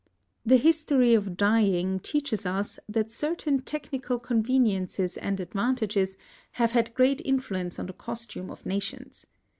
The history of dyeing teaches us that certain technical conveniences and advantages have had great influence on the costume of nations.